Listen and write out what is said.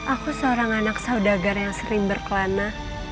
aku seorang anak saudagar yang sering berkelana